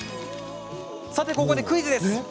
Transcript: さて、ここでクイズです。